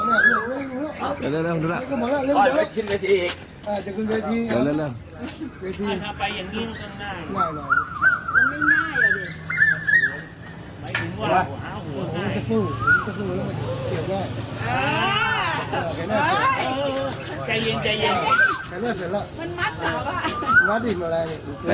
ไอ้ปล่อยไปก่อนดีกว่าเอาใหม่อ่ะ